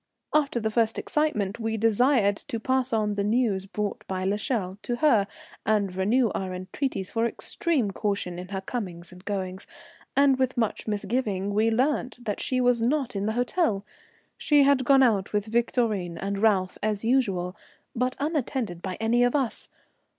After the first excitement, we desired to pass on the news brought by l'Echelle to her, and renew our entreaties for extreme caution in her comings and goings; and with much misgiving we learnt that she was not in the hotel. She had gone out with Victorine and Ralph as usual, but unattended by any of us.